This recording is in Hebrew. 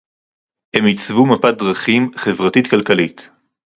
הם עיצבו מפת דרכים חברתית-כלכלית